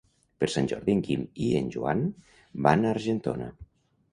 Per Sant Jordi en Guim i en Joan van a Argentona.